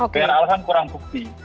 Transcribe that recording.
biar alasan kurang bukti